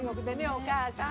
お母さん。